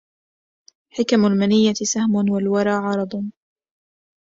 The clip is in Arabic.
حكم المنية سهم والورى عرض